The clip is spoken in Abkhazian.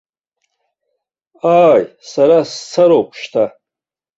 Ааи, сара сцароуп шьҭа.